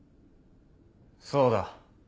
そうだ。